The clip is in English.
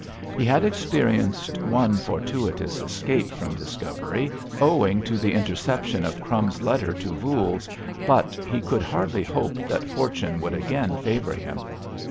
He had experienced one fortuitous escape from discovery owing to the interception of "Crumbs's" letter to Voules, but he could hardly hope that fortune would again favour him.